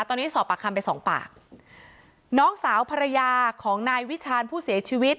ตอนนี้สอบปากคำไปสองปากน้องสาวภรรยาของนายวิชาญผู้เสียชีวิต